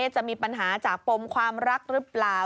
จะมีปัญหาจากปมความรักหรือเปล่า